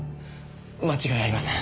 間違いありません。